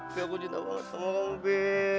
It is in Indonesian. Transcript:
bi aku cinta banget sama kamu bi